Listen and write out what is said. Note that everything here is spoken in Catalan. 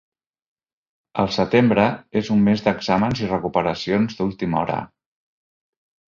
El setembre és un mes d’exàmens i recuperacions d’última hora.